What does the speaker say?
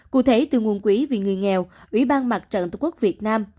cụ thể từ nguồn quỹ vì người nghèo ủy ban mặt trận tổ quốc việt nam